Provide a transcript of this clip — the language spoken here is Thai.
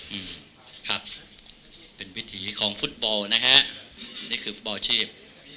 อืมครับเป็นวิถีของฟุตบอลนะฮะนี่คือฟุตบอลชีพ